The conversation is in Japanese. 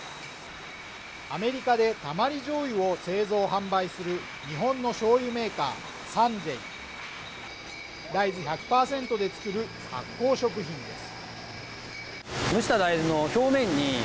アメリカでたまりじょうゆを製造販売する日本の醤油メーカーＳａｎ−Ｊ大豆１００％で作る発酵食品です。